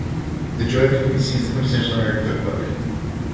The "Joy of Cooking" is seen as the quintessential American cookbook.